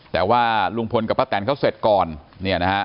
แต่ว่าลุงพลกับป้าแตนเขาเสร็จก่อนเนี่ยนะฮะ